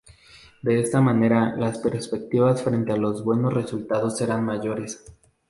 De esta manera las perspectivas frente a los buenos resultados eran mayores.